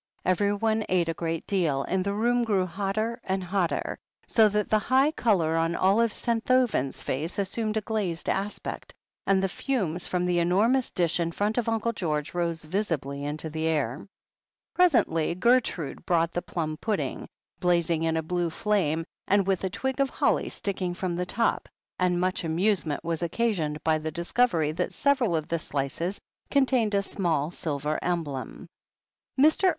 Everyone ate a great deal, and the room grew hotter and hotter, so that the high colour on Olive Senthoven's face asstuned a glazed aspect, and the fumes from the enormous dish in front of Uncle George rose visibly into the air. 196 THE HEEL OF ACHILLES Presently Gertrude brought the plum pudding, blaz ing in a blue flame^ and with a twig of holly sticking from the top, and much amusement was occasioned by the discovery that several of the slices contained a small silver emblem. Mr.